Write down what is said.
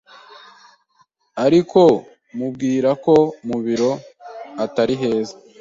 ariko mu bwira ko mu biro atari heza,